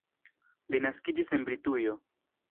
Li naskiĝis en Britujo.